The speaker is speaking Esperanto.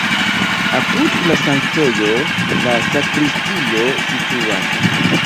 Apud la sanktejo la sakristio situas.